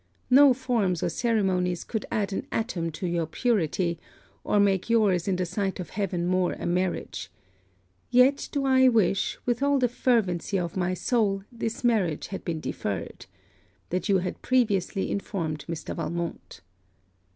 No forms or ceremonies could add an atom to your purity, or make your's in the sight of heaven more a marriage yet do I wish, with all the fervency of my soul, this marriage had been deferred that you had previously informed Mr. Valmont.